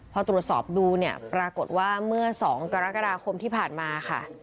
พอตรวจสอบดูเนี่ยปรากฏว่าเมื่อ๒กรกฎาคมที่ผ่านมาค่ะ